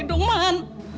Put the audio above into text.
jangan membuat nona malu